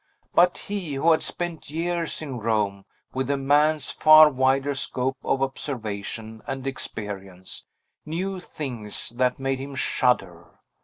But he who had spent years in Rome, with a man's far wider scope of observation and experience knew things that made him shudder.